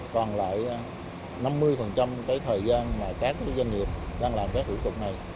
còn lại năm mươi thời gian các doanh nghiệp đang làm các thủ tục này